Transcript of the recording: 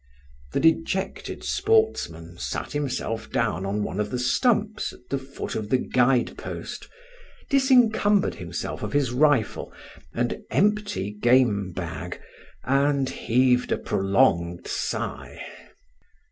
The dejected sportsman sat himself down on one of the stumps at the foot of the guide post, disencumbered himself of his rifle and empty game bag, and heaved a prolonged sigh.